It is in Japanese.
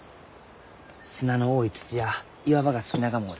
砂の多い土や岩場が好きながもおる。